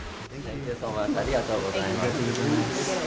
ありがとうございます。